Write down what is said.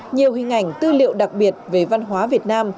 nhiều hình ảnh tư liệu đặc biệt về văn hóa việt nam